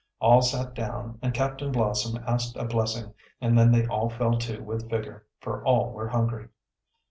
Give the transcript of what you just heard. All sat down and Captain Blossom asked a blessing, and then they all fell to with vigor, for all were hungry.